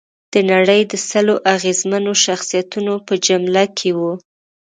د نړۍ د سلو اغېزمنو شخصیتونو په جمله کې وه.